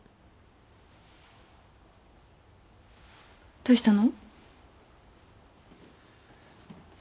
どうしたの？